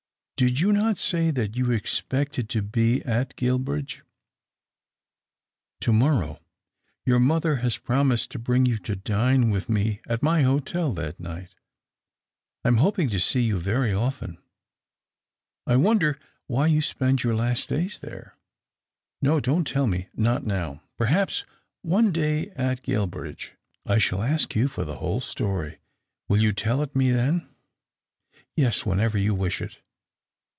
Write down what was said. Did you not say that you expected to be at Guilbridge ?"" To morrow. Your mother has promised to bring you to dine with me at my hotel that night. I am hoping to see you very often," " I wonder why you spend your last days there ? No ; don't tell me — not now. Per haps one day at Guilbridge I shall ask you for the whole story. Will you tell it me then ?"" Yes ; whenever you wish it."